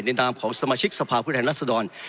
ในนามของสมาชิกสภาพพฤทธนาศดร